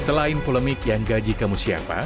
selain polemik yang gaji kamu siapa